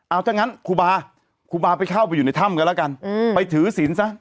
เอาถ้างั้นครูบาครูบาไปเข้าไปอยู่ในถ้ำกันแล้วกันไปถือศิลป์ซะ